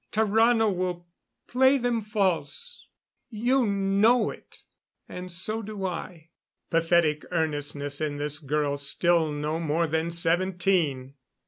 Tarrano will play them false you know it, and so do I." Pathetic earnestness in this girl still no more than seventeen!